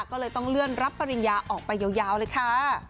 ก็เลยต้องเลื่อนรับปริญญาออกไปยาวเลยค่ะ